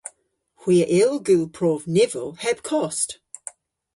Hwi a yll gul prov nivel heb kost.